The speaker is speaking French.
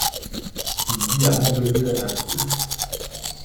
Il vit à Mandelieu-la-Napoule.